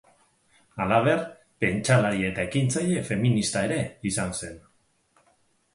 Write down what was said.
Halaber, pentsalari eta ekintzaile feminista ere izan zen.